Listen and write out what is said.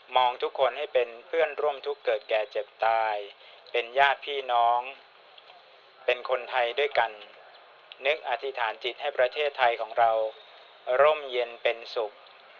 ทุกคนให้เป็นเพื่อนร่วมทุกข์เกิดแก่เจ็บตายเป็นญาติพี่น้องเป็นคนไทยด้วยกันนึกอธิษฐานจิตให้ประเทศไทยของเราร่มเย็นเป็นสุข